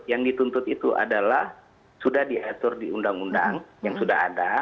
yang dituntut itu adalah sudah diatur di undang undang yang sudah ada